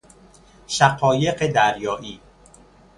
شقایق دریائی